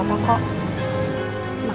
aku udah gak apa apa kok